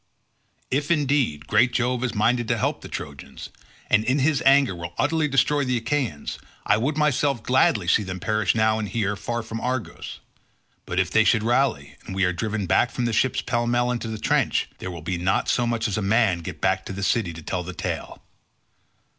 If, indeed, great Jove is minded to help the Trojans, and in his anger will utterly destroy the Achaeans, I would myself gladly see them perish now and here far from Argos; but if they should rally and we are driven back from the ships pell mell into the trench there will be not so much as a man get back to the city to tell the tale.